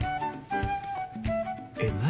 えっ何？